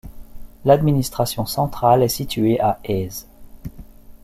L'administration centrale est située à Ås.